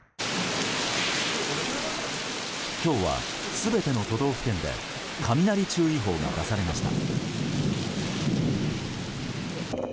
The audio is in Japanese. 今日は、全ての都道府県で雷注意報が出されました。